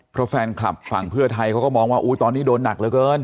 เพราะแฟนคลับฝั่งเพื่อไทยเขาก็มองว่าตอนนี้โดนหนักเหลือเกิน